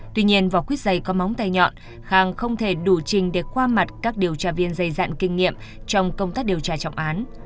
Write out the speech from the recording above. tuy nhiên vỏ quyết giày có móng tay nhọn khang không thể đủ trình để qua mặt các điều tra viên dày dặn kinh nghiệm trong công tác điều tra trọng án